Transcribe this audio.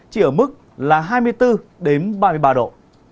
chỉ ở mức là hai mươi bốn đến ba mươi ba độ